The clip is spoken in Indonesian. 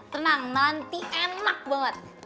tenang nanti enak banget